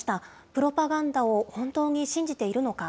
プロパガンダを本当に信じているのか。